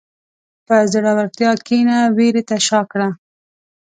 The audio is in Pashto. په زړورتیا کښېنه، وېرې ته شا کړه.